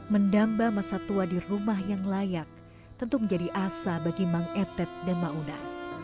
mendamba masa tua di rumah yang layak tentu menjadi asa bagi mang etet dan mauna